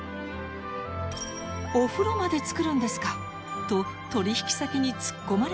「お風呂まで作るんですか」と取引先に突っ込まれたこともあるとか。